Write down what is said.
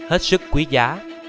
hết sức quý giá